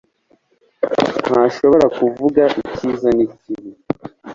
ntashobora kuvuga icyiza n'ikibi